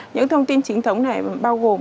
những thông tin chính thống này bao gồm